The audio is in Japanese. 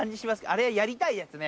あれ、やりたいやつね。